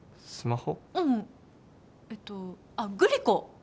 うんうんえっとあっグリコ